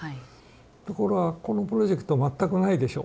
ところがこのプロジェクト全くないでしょ。